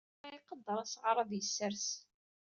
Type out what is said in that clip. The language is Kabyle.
Yuba iqedder asɣar ad yesserɣ.